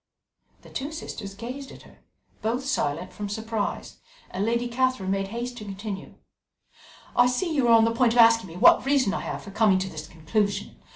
The two sisters gazed at her, both silent from surprise, and Lady Catherine made haste to continue: "I see you are on the point of asking me what reason I have for coming to this conclusion.